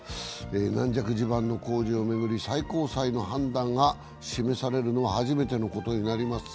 軟弱地盤の工事を巡り最高裁の判断が示されるのは初めてのことになります。